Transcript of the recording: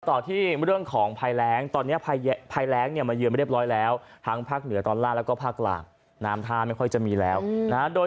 ต่อที่เรื่องของภัยแรงตอนนี้ภายแรงเนี่ยมาเยือนไปเรียบร้อยแล้วทั้งภาคเหนือตอนล่างแล้วก็ภาคกลางน้ำท่าไม่ค่อยจะมีแล้วนะโดย